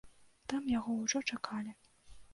Там яго ўжо чакалі.